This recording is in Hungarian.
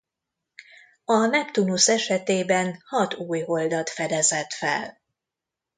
A Neptunusz esetében hat új holdat fedezett fel.